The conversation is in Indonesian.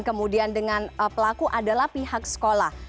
kemudian dengan pelaku adalah pihak sekolah